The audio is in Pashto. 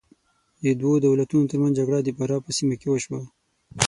د دوو دولتونو تر منځ جګړه د فراه په سیمه کې وشوه.